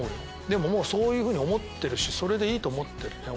でもそういうふうに思ってるしそれでいいと思ってるね